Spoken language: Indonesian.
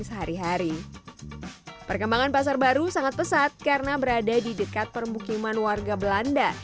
sehari hari perkembangan pasar baru sangat pesat karena berada di dekat permukiman warga belanda